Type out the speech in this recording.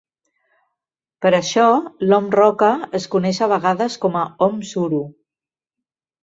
Per això, l'om roca es coneix a vegades com a om suro.